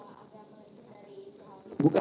ini untuk pak makbut sendiri